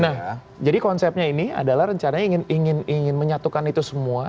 nah jadi konsepnya ini adalah rencananya ingin menyatukan itu semua